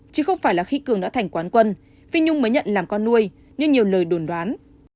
chứ không phải là khi cường đã thành quán quân phi nhung mới nhận làm con nuôi như nhiều lời đồn đoán